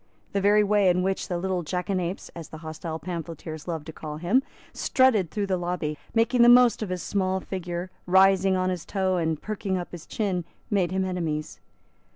The very way in which the little jackanapes, as the hostile pamphleteers loved to call him, strutted through the lobby, making the most of his small figure, rising on his toe, and perking up his chin, made him enemies.